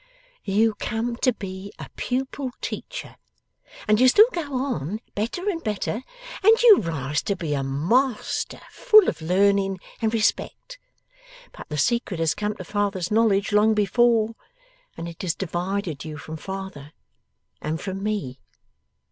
'You come to be a pupil teacher, and you still go on better and better, and you rise to be a master full of learning and respect. But the secret has come to father's knowledge long before, and it has divided you from father, and from me.